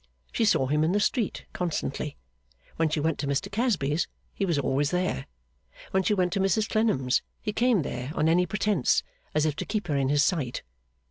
She saw him in the street, constantly. When she went to Mr Casby's, he was always there. When she went to Mrs Clennam's, he came there on any pretence, as if to keep her in his sight.